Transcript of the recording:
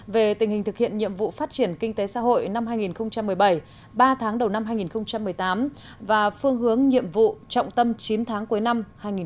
về tình hình thực hiện nhiệm vụ phát triển kinh tế xã hội năm hai nghìn một mươi bảy ba tháng đầu năm hai nghìn một mươi tám và phương hướng nhiệm vụ trọng tâm chín tháng cuối năm hai nghìn một mươi chín